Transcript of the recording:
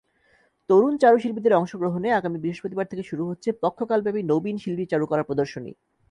তরুণ চারুশিল্পীদের অংশগ্রহণে আগামী বৃহস্পতিবার থেকে শুরু হচ্ছে পক্ষকালব্যাপী নবীন শিল্পী চারুকলা প্রদর্শনী।